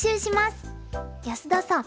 安田さん